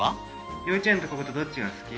幼稚園とこことどっちが好き？